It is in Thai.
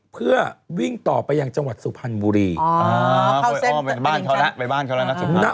เพื่อวิ่งต่อไปยังจังหวัดสุพรรณบุรีอ๋อไปบ้านชาวแรกไปบ้านชาวแรกนะ